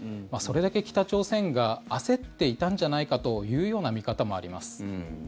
それだけ北朝鮮が焦っていたんじゃないかというような見方もあります。